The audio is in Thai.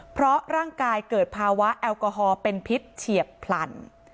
เพราะร่างกายเกิดภาวะแอลกอฮอลเป็นพิษเฉียบพลัน